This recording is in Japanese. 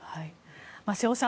瀬尾さん